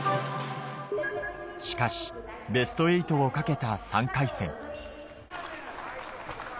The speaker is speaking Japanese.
しかし、ベスト８をかけた３回戦。